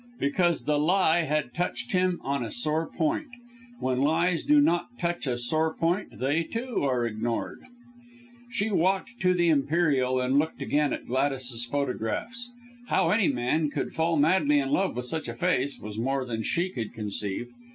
Because the lie had touched him on a sore point. When lies do not touch a sore point, they, too, are ignored. She walked to the Imperial and looked again at Gladys's photographs. How any man could fall madly in love with such a face, was more than she could conceive.